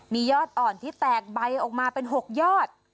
มียอดอ่อนที่แตกใบออกมาเป็น๖ยอด